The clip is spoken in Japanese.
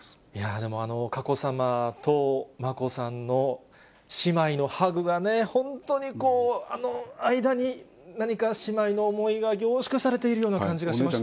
でも、佳子さまと眞子さんの姉妹のハグがね、本当に、あの間に、何か、姉妹の思いが凝縮されているような感じがしました。